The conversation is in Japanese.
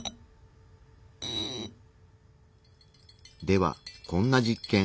ではこんな実験。